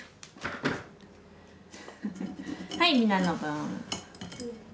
はいみなの分。